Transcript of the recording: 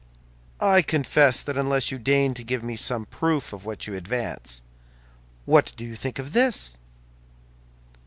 "I confess that unless you deign to give me some proof of what you advance—" "What do you think of this?"